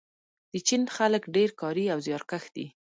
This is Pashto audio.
د چین خلک ډیر کاري او زیارکښ دي.